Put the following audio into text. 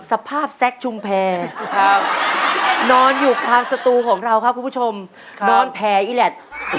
สภาพแซคชุมแพรนอนอยู่กลางสตูของเราครับคุณผู้ชมนอนแผลอีแลต